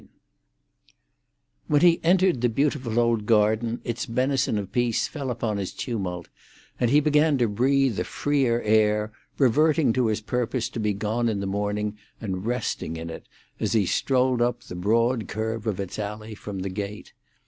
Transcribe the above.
XIV When he entered the beautiful old garden, its benison of peace fell upon his tumult, and he began to breathe a freer air, reverting to his purpose to be gone in the morning and resting in it, as he strolled up the broad curve of its alley from the gate.